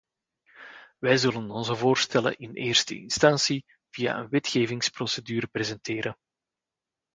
Wij zullen onze voorstellen in eerste instantie via een wetgevingsprocedure presenteren.